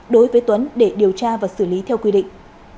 đối với tuấn để điều tra và xử lý theo quy định